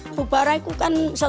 ga berfungsi ya mas yaqon